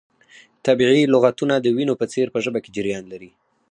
طبیعي لغتونه د وینو په څیر په ژبه کې جریان لري.